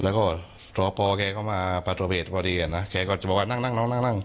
แล้วก็ตัวพอแขขวามาประตูพฤติบุตรดีอ่ะนะแขก็จะบอกว่านั่งนั่งนั่งนั่ง